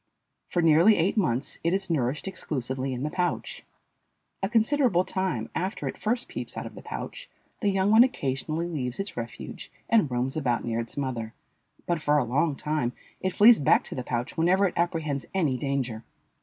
For nearly eight months it is nourished exclusively in the pouch. A considerable time after it first peeps out of the pouch the young one occasionally leaves its refuge and roams about near its mother, but for a long time it flees back to the pouch whenever it apprehends any danger.